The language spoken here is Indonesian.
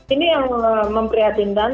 ini yang memprihatin dan